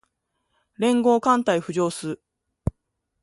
連合艦隊浮上す